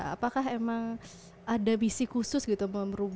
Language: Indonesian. apakah emang ada misi khusus gitu